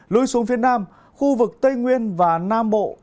lui xuống phía nam khu vực tây nguyên và nam bộ